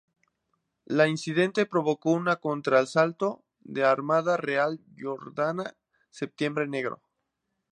La incidente provocó un contra asalto de la Armada Real Jordana, Septiembre Negro.